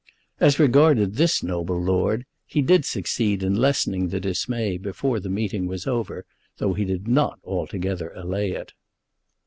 As regarded this noble lord, he did succeed in lessening the dismay before the meeting was over, though he did not altogether allay it.